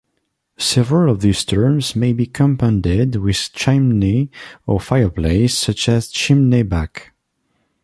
Several of these terms may be compounded with chimney or fireplace such as "chimney-back".